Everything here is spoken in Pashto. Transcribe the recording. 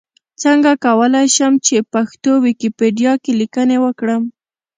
څنګه کولای شم چې پښتو ويکيپېډيا کې ليکنې وکړم؟